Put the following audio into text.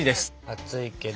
熱いけど。